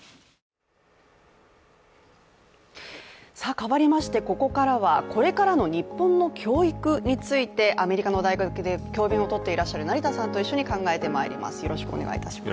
変わりまして、ここからはこれからの日本の教育についてアメリカの大学で教べんとをっていらっしゃる成田さんと一緒に考えてまいります。